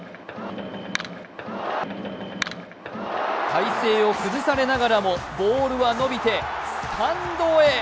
体勢を崩されながらもボールは伸びてスタンドへ。